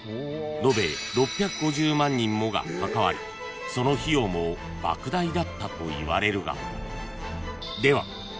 ［延べ６５０万人もが関わりその費用も莫大だったといわれるが］